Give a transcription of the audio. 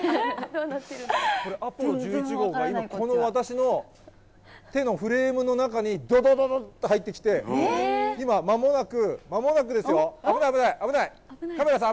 これ、アポロ１１号が今、この私の手のフレームの中に、どどどっと入ってきて、今、まもなく、まもなくですよ、危ない危ない、カメラさん